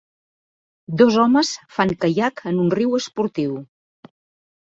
Dos homes fan caiac en un riu esportiu.